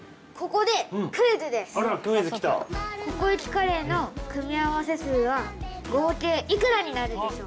カレ―の組み合わせ数は合計いくらになるでしょう？